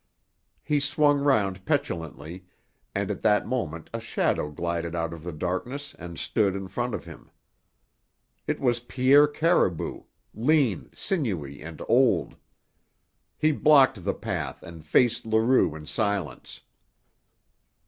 He swung round petulantly, and at that moment a shadow glided out of the darkness and stood in front of him. It was Pierre Caribou, lean, sinewy and old. He blocked the path and faced Leroux in silence.